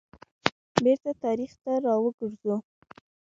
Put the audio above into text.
بیرته تاریخ ته را وګرځو.